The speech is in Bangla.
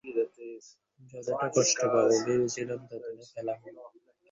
যতটা কষ্ট পাব ভেবেছিলাম ততটা পেলাম না।